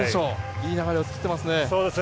いい流れを作っていますね。